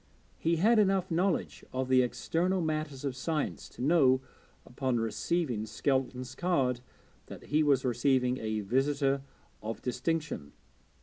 He had enough knowledge of the external matters of science to know, upon receiving Skelton's card, that he was receiving a visitor of distinction.